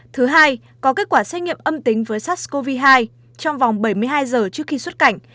thứ hai có kết quả xét nghiệm âm tính với sars cov hai trong vòng bảy mươi hai giờ trước khi xuất cảnh